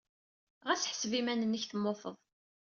Ɣas ḥseb iman-nnek temmuted.